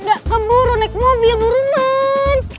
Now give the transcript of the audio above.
gak keburu naik mobil roman